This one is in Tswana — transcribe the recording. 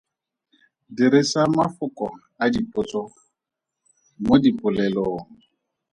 Dirisa mafoko a dipotso mo dipolelong.